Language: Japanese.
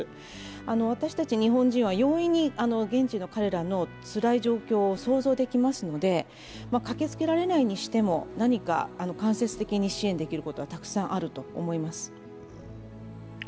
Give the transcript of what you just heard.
私たち日本人は容易に現地の彼らのつらい状況を想像できますので、駆けつけられないにしても何か間接的に支援できることはたくさんあると思います。